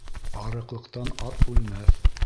Арыҡлыҡтан ат үлмәҫ